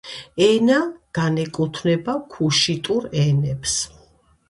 ენა განეკუთვნება ქუშიტურ ენებს.